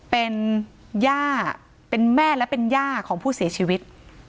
เป็นย่าเป็นแม่และเป็นย่าของผู้เสียชีวิต